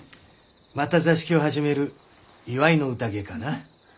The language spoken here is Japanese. また座敷を始める祝いの宴かな？